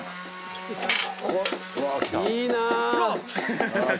いいな！